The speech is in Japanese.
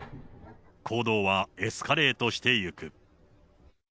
行動はエスカレートしていく。